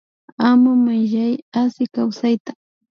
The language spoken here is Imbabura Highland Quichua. Ama Mayllay Asi kawsayta